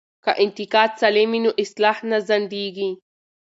که انتقاد سالم وي نو اصلاح نه ځنډیږي.